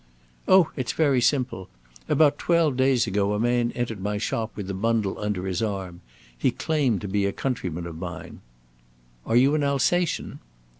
"Oh, it's very simple. About twelve days ago a man entered my shop with a bundle under his arm. He claimed to be a countryman of mine." "Are you an Alsatian?"